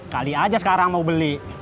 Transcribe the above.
kali aja sekarang mau beli